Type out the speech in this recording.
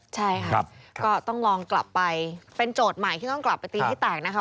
ใช่ค่ะก็ต้องลองกลับไปเป็นโจทย์ใหม่ที่ต้องกลับไปตีให้แตกนะคะ